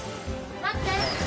待って！